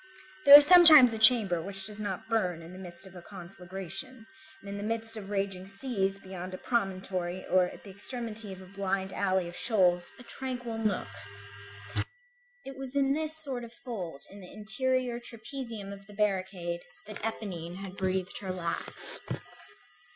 There is sometimes a chamber which does not burn in the midst of a conflagration, and in the midst of raging seas, beyond a promontory or at the extremity of a blind alley of shoals, a tranquil nook. It was in this sort of fold in the interior trapezium of the barricade, that Éponine had breathed her last.